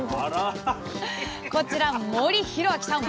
こちら森博昭さん。